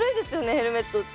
ヘルメットって。